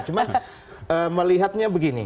cuma melihatnya begini